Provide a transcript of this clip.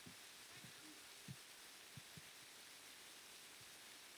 Ngaenda mma.